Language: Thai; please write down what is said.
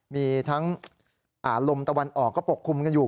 มีทั้งลมตะวันออกก็ปกคลุมกันอยู่